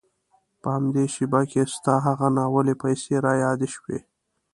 په همدې شېبه کې ستا هغه ناولې پيسې را یادې شوې.